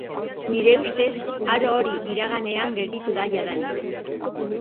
Nire ustez aro hori iraganean gelditu da jadanik.